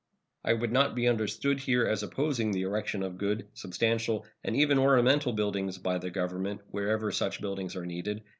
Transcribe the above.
I would not be understood here as opposing the erection of good, substantial, and even ornamental buildings by the Government wherever such buildings are needed.